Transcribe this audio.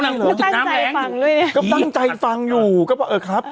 ตั้งใจฟังเลยเนี่ยก็ตั้งใจฟังอยู่ก็บอกเออครับ